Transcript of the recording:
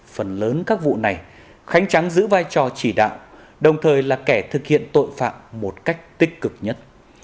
phần lớn các vụ này khánh trắng giữ vai trò chỉ đạo đồng thời là kẻ thực hiện tội phạm một cách tích cực nhất